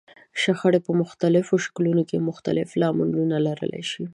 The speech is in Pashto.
شخړې په مختلفو شکلونو کې مختلف لاملونه لرلای شي.